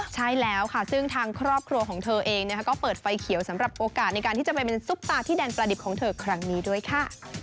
ใช่แล้วค่ะซึ่งทางครอบครัวของเธอเองก็เปิดไฟเขียวสำหรับโอกาสในการที่จะไปเป็นซุปตาที่แดนประดิบของเธอครั้งนี้ด้วยค่ะ